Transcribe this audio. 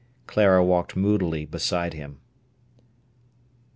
Clara walked moodily beside him.